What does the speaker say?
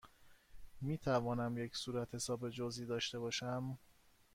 می توانم یک صورتحساب جزئی داشته باشم؟